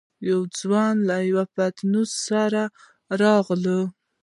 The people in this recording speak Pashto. يو ځوان له يوه پتنوس سره راغی.